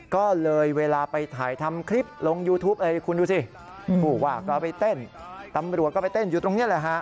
ก็เลยเวลาไปถ่ายทำคลิปลงยูทูปคุณดูสิกลับไปเต้นตำรวจก็ไปเต้นอยู่ตรงนี้เลย